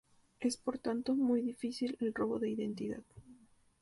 Es por tanto muy difícil el robo de identidad.